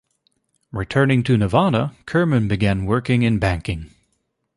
Returning to Nevada, Kirman began working in banking.